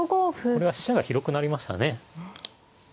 これは飛車が広くなりましたね。